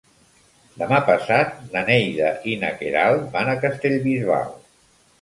Demà passat na Neida i na Queralt van a Castellbisbal.